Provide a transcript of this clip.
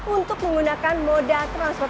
untuk menggunakan moda transjakarta